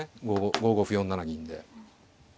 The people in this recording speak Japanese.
５五歩４七銀で。